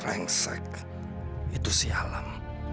rengsek itu si alam